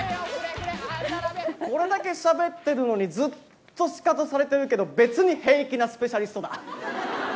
これだけしゃべってるのに、ずっとシカトされてるけど、別に平気なスペシャリストだ。